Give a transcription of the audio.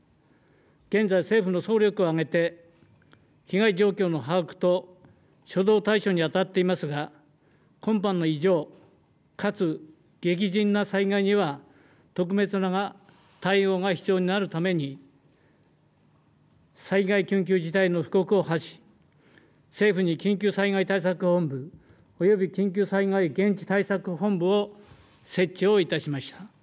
現在、政府が総力をあげて被害状況の把握と初動対処にあたっていますが今般の異常かつ激甚な災害には特別な対応が必要になるために災害緊急事態の布告を発し政府に緊急災害対策本部、および緊急災害現地対策本部を設置をいたしました。